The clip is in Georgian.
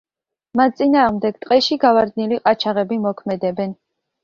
მათ წინააღმდეგ ტყეში გავარდნილი ყაჩაღები მოქმედებენ.